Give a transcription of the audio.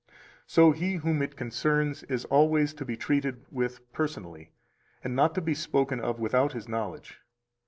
So he whom it concerns is always to be treated with personally, and not to be spoken of without his knowledge.